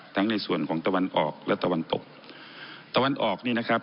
ในส่วนของตะวันออกและตะวันตกตะวันออกนี่นะครับ